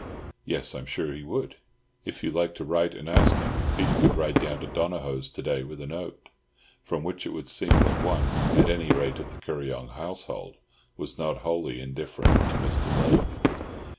"Yes, I'm sure he would. If you like to write and ask him, Peter could ride down to Donohoe's to day with a note." From which it would seem that one, at any rate, of the Kuryong household was not wholly indifferent to Mr. Blake.